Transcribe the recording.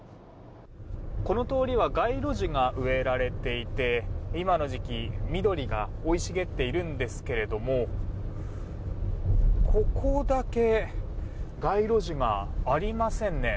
この通りは街路樹が植えられていて今の時期、緑が生い茂っているんですけれどもここだけ街路樹がありませんね。